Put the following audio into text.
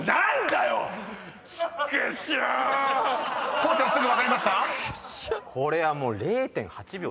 ［こうちゃんすぐ分かりました？］